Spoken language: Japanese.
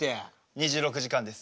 ２６時間です。